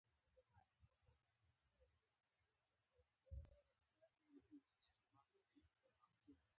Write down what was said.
خلافت مسلمانانو ته د خپل هیواد او دین لپاره یو ملي هویت ورکوي.